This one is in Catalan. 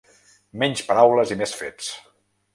Menys paraules i més fets!